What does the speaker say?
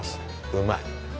うまい！